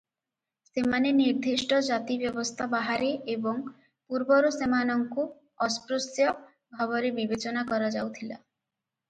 ସେମାନେ ନିର୍ଦ୍ଦିଷ୍ଟ ଜାତି ବ୍ୟବସ୍ଥା ବାହାରେ ଏବଂ ପୂର୍ବରୁ ସେମାନଙ୍କୁ “ଅସ୍ପୃଶ୍ୟ” ଭାବରେ ବିବେଚନା କରାଯାଉଥିଲା ।